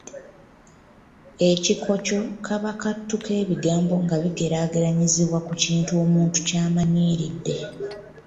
Ekikoco kaba katu k'ebigambo nga bigeraageranyizibwa ku kintu omuntu ky'amanyiridde.